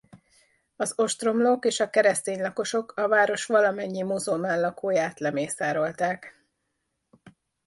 Az ostromlók és a keresztény lakosok a város valamennyi muzulmán lakóját lemészárolták.